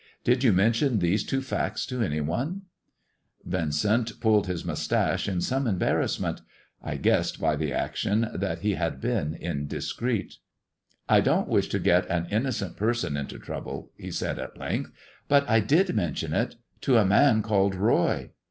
Did you mention these two facts to any onel" Yincent pulled his moustache in some embarrassment. I guessed by the action that he had been indiscreet. " I don't wish to get an innocent person into trouble," he said at length, " but I did mention it — to a man called Roy."